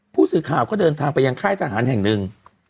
ผู้สื่อข่าวก็เดินทางไปยังค่ายทหารแห่งหนึ่ง